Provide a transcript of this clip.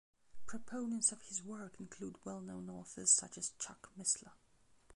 Proponents of his work include well-known authors such as Chuck Missler.